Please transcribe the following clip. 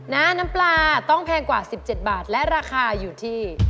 น้ำปลาต้องแพงกว่า๑๗บาทและราคาอยู่ที่